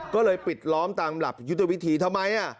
ก็เลยปิดล้อมตามหลักยุทธวิธีทำไม